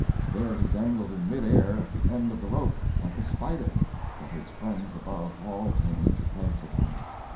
There he dangled in mid air at the end of the rope, like a spider, till his friends above hauled him into place again.